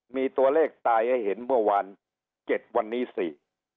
มีตัวเลขตายให้เห็นเมื่อวานเจ็ดวันนี้สี่